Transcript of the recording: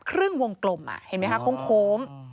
ครึ่งวงกลมเห็นมั้ยคะโค้งโค้ม